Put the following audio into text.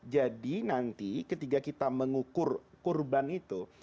jadi nanti ketika kita mengukur kurban itu